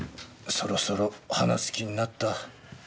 そろそろ話す気になった？